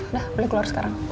udah boleh keluar sekarang